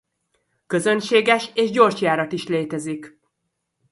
Közönséges és gyorsjárat is létezik.